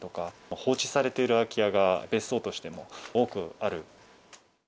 放置されている空き家が、別荘としても多くある。